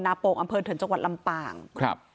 โป่งอำเภอเถินจังหวัดลำปางครับ